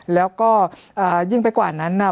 แล้วก็ยิ่งไปกว่านั้นน่ะ